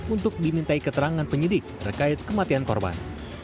untuk dimintai keterangan penyidik terkait kematian korban